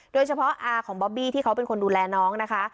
โดยเฉพาะอาของบ๊อบบี้ที่เขาเป็นคนดูแลน้องนะคะ